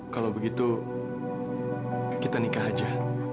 kalau begitu kita nikah aja